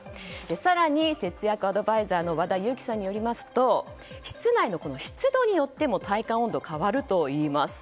更に、節約アドバイザーの和田由貴さんによりますと室内の湿度によっても体感温度が変わるといいます。